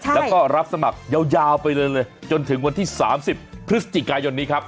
แล้วก็รับสมัครยาวไปเลยจนถึงวันที่๓๐พฤศจิกายนนี้ครับ